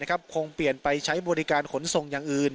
คงเปลี่ยนไปใช้บริการขนส่งอย่างอื่น